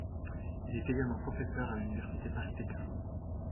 Il est également professeur à l'Université Paris Descartes.